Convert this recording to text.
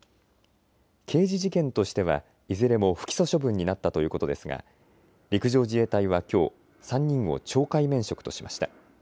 刑事事件としてはいずれも不起訴処分になったということですが陸上自衛隊はきょう、３人を懲戒免職としました。